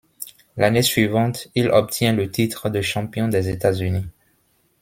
L'année suivante il obtient le titre de Champion des États-Unis.